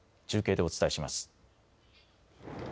中継でお伝えします。